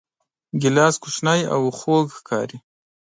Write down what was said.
ګیلاس کوچنی او خوږ ښکاري.